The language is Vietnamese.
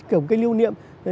kiểu một cây lưu dụng